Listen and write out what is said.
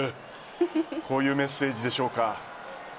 こういうメッセージでしょうか。